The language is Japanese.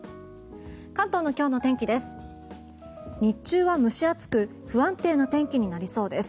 関東の今日の天気です。